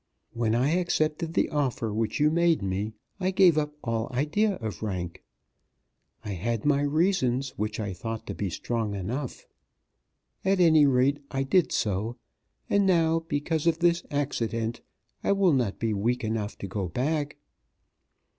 When I accepted the offer which you made me, I gave up all idea of rank. I had my reasons, which I thought to be strong enough. At any rate I did so, and now because of this accident I will not be weak enough to go back.